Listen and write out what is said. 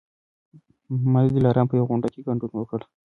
ما د دلارام په یوه غونډه کي ګډون وکړی